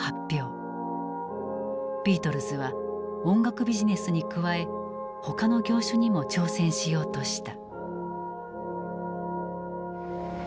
ビートルズは音楽ビジネスに加え他の業種にも挑戦しようとした。